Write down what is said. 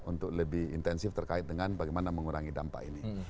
untuk lebih intensif terkait dengan bagaimana mengurangi dampak ini